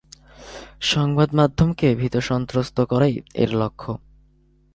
সংবাদমাধ্যমকে ভীতসন্ত্রস্ত করাই এর লক্ষ্য।